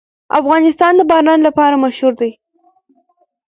افغانستان د باران لپاره مشهور دی.